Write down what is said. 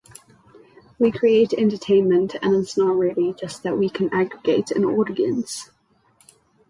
We create entertainment, and it's not really just that we can aggregate an audience.